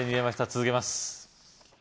続けます